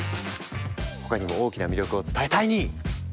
他にも大きな魅力を伝えタイニー！